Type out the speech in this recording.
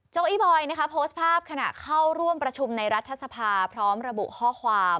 อี้บอยนะคะโพสต์ภาพขณะเข้าร่วมประชุมในรัฐสภาพร้อมระบุข้อความ